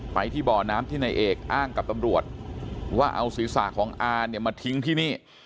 ไปที่บ่อน้ำที่นายเอกอ้างกับตำรวจว่าเอาศีรษะของอาเนี่ยมาทิ้งที่นี่